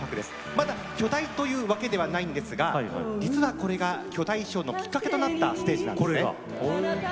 まだ巨大というわけではないんですが実はこれが巨大衣装のきっかけとなったステージなんです。